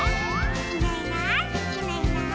「いないいないいないいない」